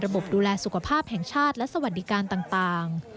บดูแลสุขภาพแห่งชาติและสวัสดิการต่าง